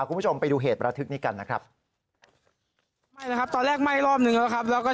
คุณผู้ชมไปดูเหตุประทึกนี้กันนะครับ